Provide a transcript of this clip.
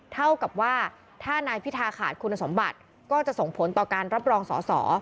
เท่ากับว่าถ้านายพิธาขาดคุณสมบัติก็จะส่งผลต่อการรับรองสอสอ